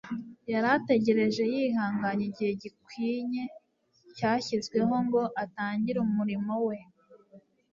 Yari ategereje yihanganye igihe gikwinye cyashyizweho ngo atangire umurimo we.